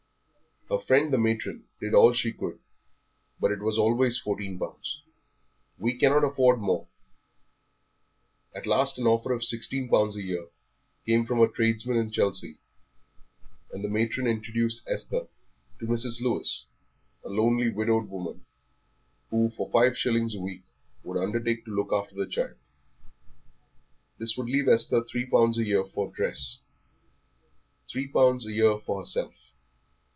Her friend the matron did all she could, but it was always fourteen pounds. "We cannot afford more." At last an offer of sixteen pounds a year came from a tradesman in Chelsea; and the matron introduced Esther to Mrs. Lewis, a lonely widowed woman, who for five shillings a week would undertake to look after the child. This would leave Esther three pounds a year for dress; three pounds a year for herself.